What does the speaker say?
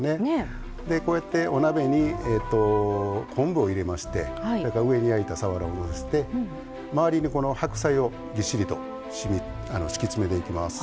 お鍋に昆布を入れまして上に焼いたさわらをのせて周りに白菜を敷き詰めていきます。